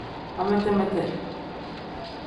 Amete-mete.